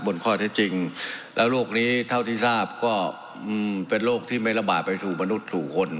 บนข้อเท็จจริงแล้วโรคนี้เท่าที่ทราบก็เป็นโรคที่ไม่ระบาดไปสู่มนุษย์ถูกคน